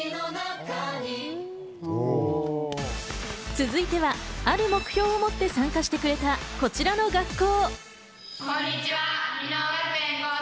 続いては、ある目標を持って参加してくれたこちらの学校。